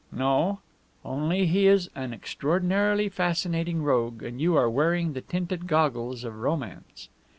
"No. Only he is an extraordinarily fascinating rogue, and you are wearing the tinted goggles of romance."